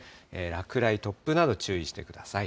落雷、突風など注意してください。